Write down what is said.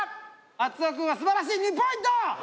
松尾くんはすばらしい２ポイント！